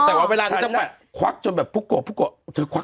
แต่ว่าเวลาที่จะควักจนแบบพุกกว่าพุกกว่า